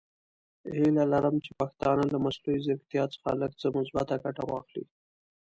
هیله لرم چې پښتانه له مصنوعي زیرکتیا څخه لږ څه مثبته ګټه واخلي.